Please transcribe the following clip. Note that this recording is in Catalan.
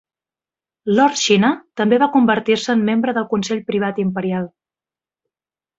Lord Sinha també va convertir-se en membre del Consell Privat Imperial.